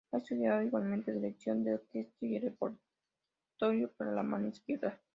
Ha estudiado igualmente dirección de orquesta y el repertorio para la mano izquierda.